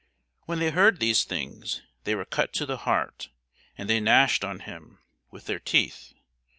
When they heard these things, they were cut to the heart, and they gnashed on him with their teeth.